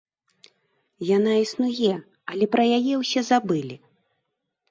Яна існуе, але пра яе ўсе забылі.